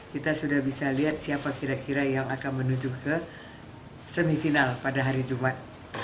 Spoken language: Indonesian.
kita sudah bisa lihat siapa kira kira yang akan menuju ke semifinal pada hari jumat